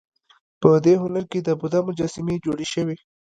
په دې هنر کې د بودا مجسمې جوړې شوې